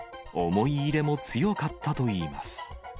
思い入れも強かったといいます。